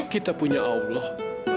kita punya allah